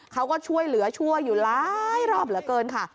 เขาก็ช่วยเหลือช่วยอยู่หลายรอบเหลือเกินค่ะ